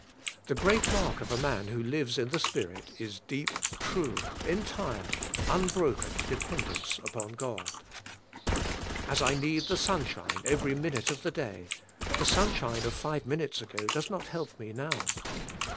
The great mark of a man who lives in the Spirit is deep, true, entire, unbroken dependence upon God. As I need the sunshine every minute of the day, the sunshine of five min utes ago does not help me now.